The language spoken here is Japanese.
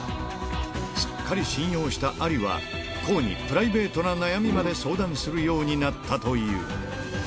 すっかり信用したアリは、康にプライベートな悩みまで相談するようになったという。